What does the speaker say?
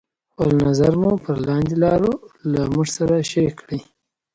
خپل نظر مو پر لاندې لارو له موږ سره شريکې کړئ: